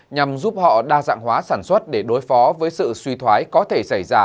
nhằm giúp họ đa dạng hóa sản xuất để đối phó với sự suy thoái có thể xảy ra